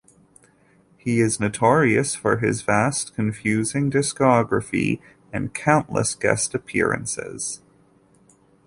He is notorious for his vast, confusing discography and countless guest appearances.